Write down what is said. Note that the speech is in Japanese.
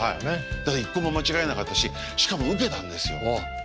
だから一個も間違えなかったししかもウケたんですよ。